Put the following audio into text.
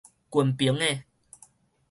近爿的